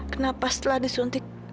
kenapa setelah disuntik